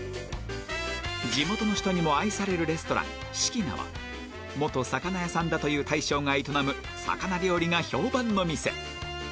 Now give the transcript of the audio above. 地元の人にも愛されるレストラン四季菜は元魚屋さんだという大将が営む魚料理が評判の店